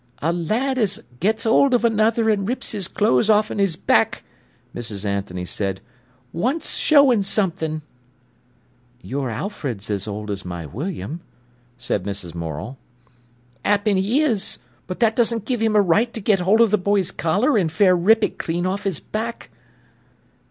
"A lad as gets 'old of another an' rips his clothes off'n 'is back," Mrs. Anthony said, "wants showing something." "Your Alfred's as old as my William," said Mrs. Morel. "'Appen 'e is, but that doesn't give him a right to get hold of the boy's collar, an' fair rip it clean off his back."